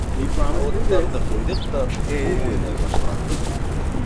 Һауыттарҙы ҡуйҙыҡ та туп уйнай башланыҡ.